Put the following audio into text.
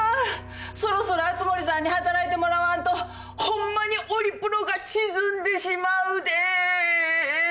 そろそろ熱護さんに働いてもらわんとホンマにオリプロが沈んでしまうで。